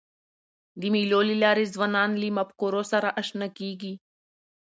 د مېلو له لاري ځوانان له مفکورو سره اشنا کېږي.